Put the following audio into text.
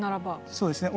そうですね。